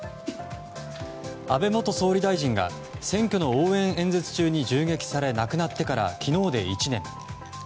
安倍元総理大臣が選挙の応援演説中に銃撃され亡くなってから昨日で１年。